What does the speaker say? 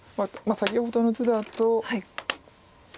先ほどの図だと。